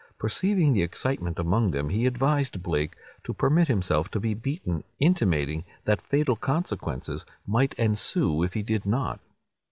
Perceiving the excitement among them, he advised Blake to permit himself to be beaten, intimating that fatal consequences might ensue if he did not.